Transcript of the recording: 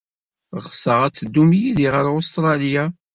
Ɣseɣ ad teddum yid-i ɣer Ustṛalya.